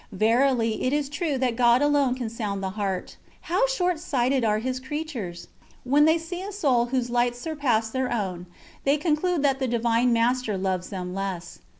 Verily it is true that God alone can sound the heart. How short sighted are His creatures! When they see a soul whose lights surpass their own, they conclude that the Divine Master loves them less.